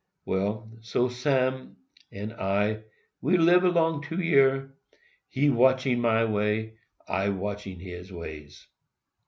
Well, so Sam and I we lib along two year—he watchin my ways, and I watchin his ways.